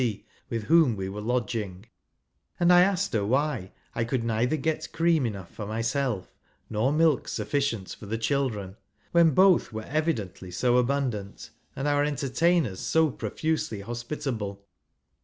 0., with whom we were lodging : and I ' nsked her why I could neither get cream enough for myself, nor milk sufficient for the I children, when both were evidently so abundant, and our entertainers so profusely hospitable.